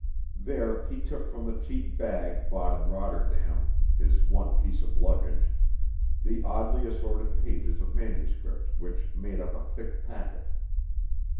There he took from the cheap bag bought in Rotterdam his one piece of luggage the oddly assorted pages of manuscript which made up a thick packet.